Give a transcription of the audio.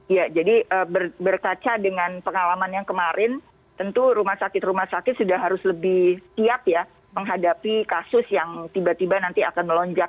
ya jadi berkaca dengan pengalaman yang kemarin tentu rumah sakit rumah sakit sudah harus lebih siap ya menghadapi kasus yang tiba tiba nanti akan melonjak